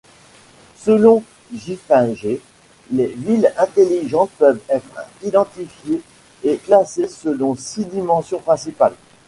Selon Giffinger, les villes intelligentes peuvent être identifiées et classées selon six dimensions principales.